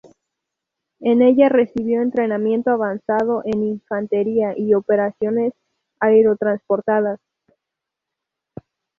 En ella recibió entrenamiento avanzado en infantería y operaciones aerotransportadas.